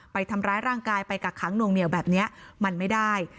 ไปทำร้ายร่างกายไปกักขังหน่วงเหนียวแบบนี้มันไม่ได้